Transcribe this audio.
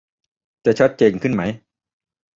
จะชัดเจนขึ้นไหม ?